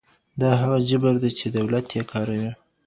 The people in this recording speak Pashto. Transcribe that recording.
دا هغه جبر دی چي دولت يې کاروي.